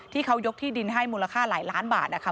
ที่เขายกที่ดินให้มูลค่าหลายล้านบาทนะคะ